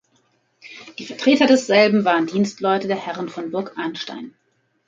Die Vertreter desselben waren Dienstleute der Herren von Burg Arnstein.